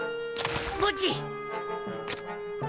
ボッジ。